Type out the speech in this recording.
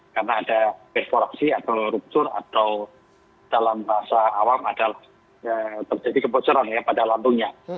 karena ada perforaksi atau ruptur atau dalam bahasa awam ada terjadi kebocoran ya pada lantungnya